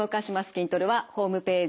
筋トレはホームページ